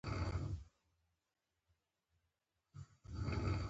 د نوې ټکنالوژی د معرفي کولو سرچینه ځوانان دي.